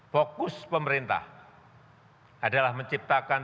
fokus pemerintah adalah menciptakan